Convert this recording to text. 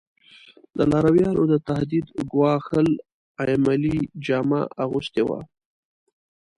د لارویانو د تهدید ګواښل عملي جامه اغوستې وه.